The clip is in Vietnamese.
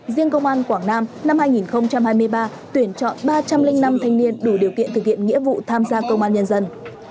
riêng công an quảng nam năm hai nghìn hai mươi ba tuyển chọn ba trăm linh năm thanh niên đủ điều kiện thực hiện nghĩa vụ tham gia công an nhân dân